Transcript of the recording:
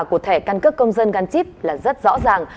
của thẻ căn cước công dân gắn chip là rất rõ ràng